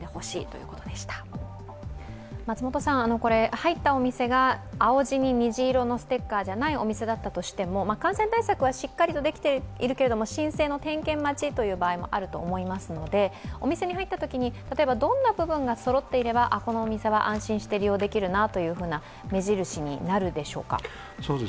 入ったお店が青地に虹色のステッカーじゃないとしても感染対策はしっかりとできているけれども申請の点検待ちということもあると思いますのでお店に入ったときに、例えばどんな部分がそろっていればこのお店は安心して利用できるなという目印になるでしょうか。